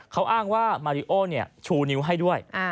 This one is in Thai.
เขาอ้างว่ามาริโอชูนิ้วให้ด้วย